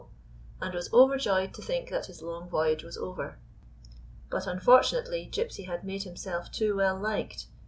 and was overjoyed to think that his long voyage was over. But, unfortunately, Gypsy had made himselt too well liked.